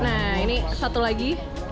nah ini satu lagi